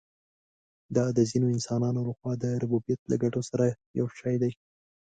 دا د ځینو انسانانو له خوا د ربوبیت له ګټلو سره یو شی دی.